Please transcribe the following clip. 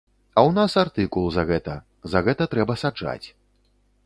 А ў нас артыкул за гэта, за гэта трэба саджаць.